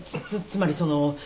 つまりそのう。